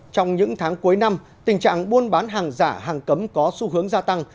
trong những tháng cuối năm tình trạng buôn bán hàng giả hàng cấm có xu hướng gia tăng